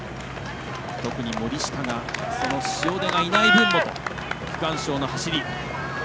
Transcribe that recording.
特に森下が塩出がいない分もと区間賞の走り。